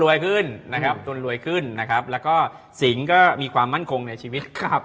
ขึ้นนะครับจนรวยขึ้นนะครับแล้วก็สิงห์ก็มีความมั่นคงในชีวิตครับ